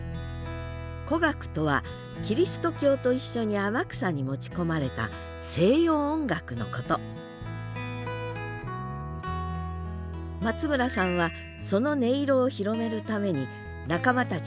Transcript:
古楽とはキリスト教と一緒に天草に持ち込まれた西洋音楽のこと松村さんはその音色を広めるために仲間たちと演奏活動をしています